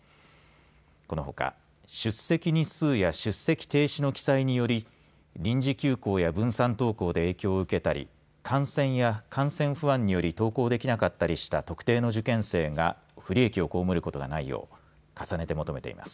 このほか出席日数や出席停止の記載により臨時休校や分散登校で影響を受けたり感染や感染不安により登校できなかったりした特定の受験生が不利益を被ることがないよう重ねて求めています。